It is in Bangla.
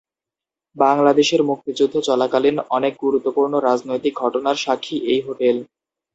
বাংলাদেশের মুক্তিযুদ্ধ চলাকালীন অনেক গুরুত্বপূর্ণ রাজনৈতিক ঘটনার সাক্ষী এই হোটেল।